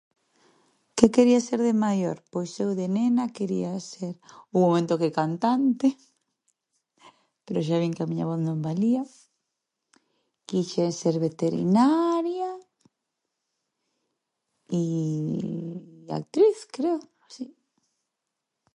Que quería ser de maior? Pois eu de nena quería ser, houbo un momento que cantante, pero xa vin que a miña voz non valía, quixen ser veterinaria i i actriz, creo, si.